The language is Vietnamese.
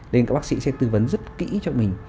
nên các bác sĩ sẽ tư vấn rất kỹ cho mình